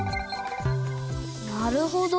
なるほど。